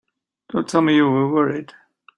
Don't tell me you were worried!